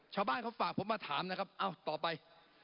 ชาวบ้านเขาฝากผมมาถามนะครับเอ้าต่อไป